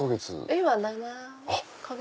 今７か月。